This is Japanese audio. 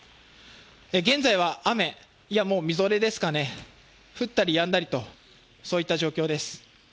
現在は雨、いやもうみぞれですかね降ったりやんだりと、そういった状況です。